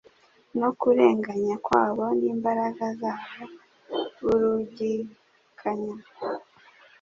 no kurenganya kwabo n'imbaraga za bo burugikanyaga